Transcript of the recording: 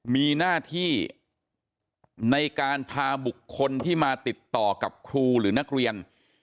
มีหน้าที่ในการพาบุคคลที่มาติดต่อกับครูหรือนักเรียน